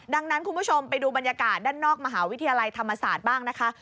ดังนั้นคุณผู้ชมไปดูบรรยากาศด้านนอกมหาวิทยาลัยธรรมศาสตร์บ้างนะคะ